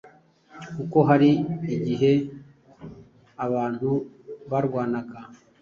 kuko hari n’igihe abantu barwanaga